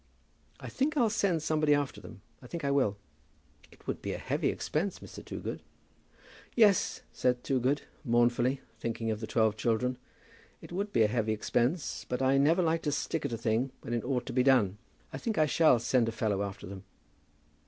I think I'll send somebody after them. I think I will." "It would be a heavy expense, Mr. Toogood." "Yes," said Toogood, mournfully, thinking of the twelve children; "it would be a heavy expense. But I never like to stick at a thing when it ought to be done. I think I shall send a fellow after them."